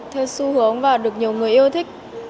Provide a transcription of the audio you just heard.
theo xu hướng và được nhiều người yêu thích